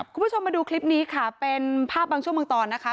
คุณผู้ชมมาดูคลิปนี้ค่ะเป็นภาพบางช่วงบางตอนนะคะ